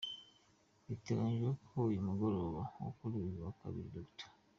Biteganyijwe ko ku mugoroba wo kuri uyu wa Kabiri, Dr.